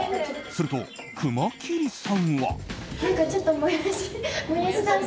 すると熊切さんは。